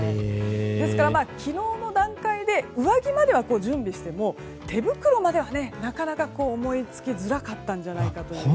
ですから昨日の段階で上着までは準備しても、手袋まではなかなか思いつきづらかったんじゃないかという。